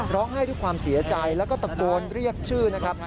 ด้วยความเสียใจแล้วก็ตะโกนเรียกชื่อนะครับ